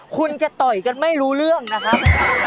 คุณจะต่อยกันไม่รู้เรื่องนะครับ